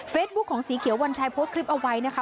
ของสีเขียววัญชัยโพสต์คลิปเอาไว้นะคะ